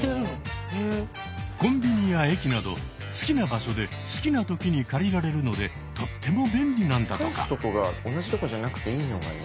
コンビニや駅など好きな場所で好きなときに借りられるのでとっても便利なんだとか。